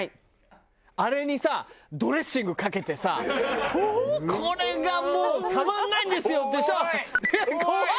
あれにさドレッシングかけてさこれがもうたまんないんですよっていう人は。